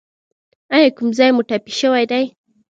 ایا کوم ځای مو ټپي شوی دی؟